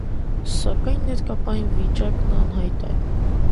Սակայն ներկա պահին վիճակն անհայտ է։